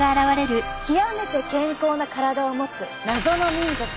極めて健康な体を持つ謎の民族。